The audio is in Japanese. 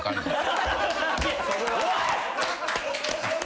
おい！